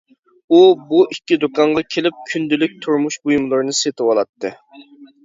ئۇ بۇ ئىككى دۇكانغا كېلىپ كۈندىلىك تۇرمۇش بۇيۇملىرىنى سېتىۋالاتتى.